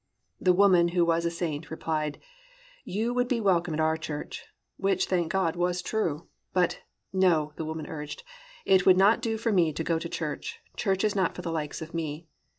The woman who was a saint replied, "You would be welcome at our church," which, thank God, was true. But, "No," the woman urged, "it would not do for me to go to church, church is not for the likes of me."